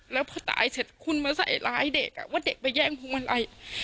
แล้วพอตายเสร็จคุณมาใส่ร้ายเด็กว่าเด็กไปแย่งพวงมาลัย